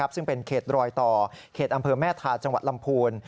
ซึ่งเป็นเขตรอยต่อเขตอำเภอแม่ทาจังหวัดลำพูน